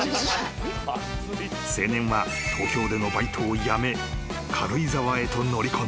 ［青年は東京でのバイトを辞め軽井沢へと乗り込んだ］